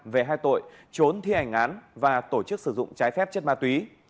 về hai tội trốn thi hành án và tổ chức sử dụng trái phép chất ma túy